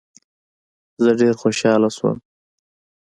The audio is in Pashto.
زه ډېر خوشاله شوم.